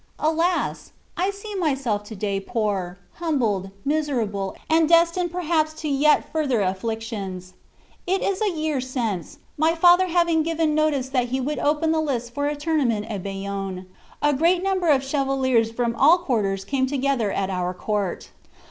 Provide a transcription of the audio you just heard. Alas! I see myself to day poor, humbled, miserable, and destined perhaps to yet further afflictions. It is a year since, my father having given notice that he would open the lists for a tournament at Bayonne, a great number of chevaliers from all quarters came together at our court.